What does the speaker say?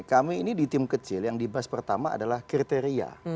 kami ini di tim kecil yang dibahas pertama adalah kriteria